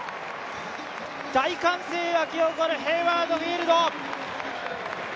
大歓声沸き起こるヘイワード・フィールド。